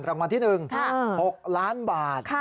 รางวัลที่หนึ่ง๖ล้านบาท